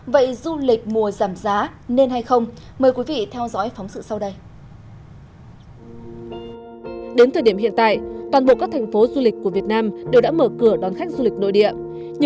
vậy du lịch mùa giảm giá nên hay không mời quý vị theo dõi phóng sự sau đây